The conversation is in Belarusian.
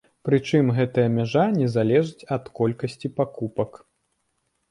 Прычым гэтая мяжа не залежыць ад колькасці пакупак.